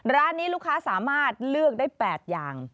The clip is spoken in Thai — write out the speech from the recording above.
ร้านนี้ลูกค้าสามารถเลือกได้๘อย่าง